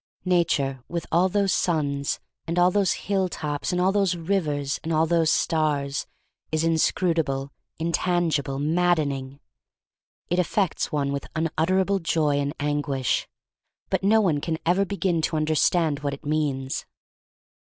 Nature, with all those suns, and all those hilltops, and all those rivers, and all those stars, is inscrutable — intangi ble — maddening. It affects one with unutterable joy and anguish, but no one can ever begin to understand what it means.